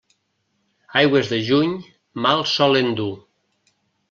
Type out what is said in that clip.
Aigües de juny mal solen dur.